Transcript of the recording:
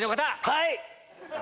はい！